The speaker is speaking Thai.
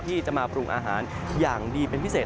ที่จะมาปรุงอาหารอย่างดีเป็นพิเศษ